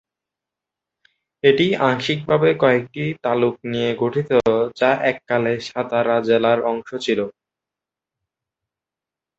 এটি আংশিকভাবে কয়েকটি তালুক নিয়ে গঠিত যা এককালে সাতারা জেলার অংশ ছিল।